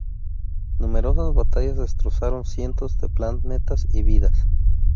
Numerosas batallas destrozaron cientos de planetas y vidas.